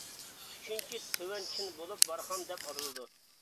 ئۈچىنچى، تۆۋەن چىن بولۇپ بارخان دەپ ئاتىلىدۇ.